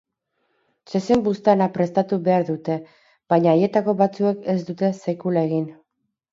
Zezen-buztana prestatu behar dute, baina haietako batzuek ez dute sekula egin.